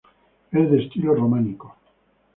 Es de estilo románico.